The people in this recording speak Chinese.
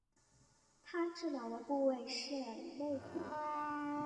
她治疗的部位是肋骨。